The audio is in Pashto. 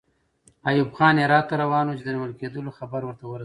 ایوب خان هرات ته روان وو چې د نیول کېدلو خبر ورته ورسېد.